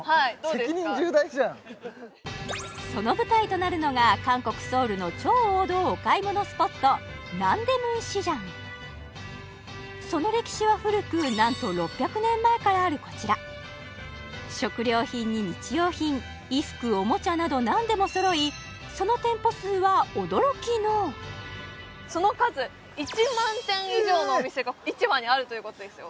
責任重大じゃんその舞台となるのが韓国ソウルの超王道お買い物スポット南大門市場その歴史は古くなんと６００年前からあるこちら食料品に日用品衣服おもちゃなど何でもそろいその店舗数は驚きのその数１万店以上のお店が市場にあるということですよ